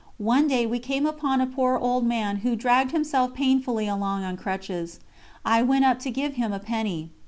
One day we came upon a poor old man who dragged himself painfully along on crutches. I went up to give him a penny.